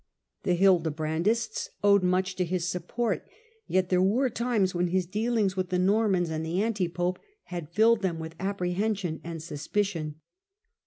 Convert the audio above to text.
The Hildebrandists owed much to his support, yet there were times when his dealings with the Normans and the anti pope had ffiled them with apprehension and suspicion.